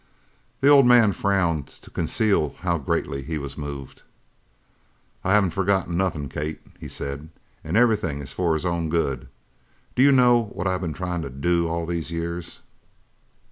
The old man frowned to conceal how greatly he was moved. "I haven't forgot nothin', Kate," he said, "an' everything is for his own good. Do you know what I've been tryin' to do all these years?"